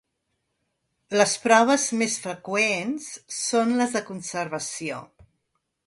Les proves més freqüents són les de conservació.